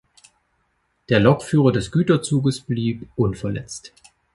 Der Lokführer des Güterzuges blieb unverletzt.